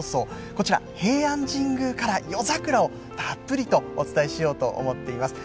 こちら、平安神宮から夜桜をたっぷりとお伝えしようと思っています。